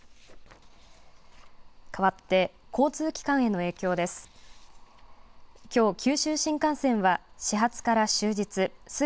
かわって交通機関への影響です。